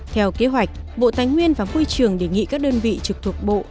theo kế hoạch bộ tài nguyên và môi trường đề nghị các đơn vị trực thuộc bộ